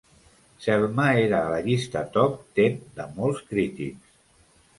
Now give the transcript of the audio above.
"Selma" era a la llista top ten de molts crítics.